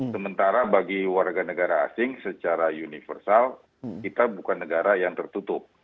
sementara bagi warga negara asing secara universal kita bukan negara yang tertutup